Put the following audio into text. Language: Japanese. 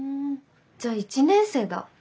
じゃあ１年生だ。